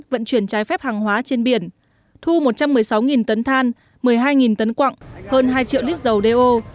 vận chuyển trái phép hàng hóa trên biển thu một trăm một mươi sáu tấn than một mươi hai tấn quặng hơn hai triệu lít dầu đeo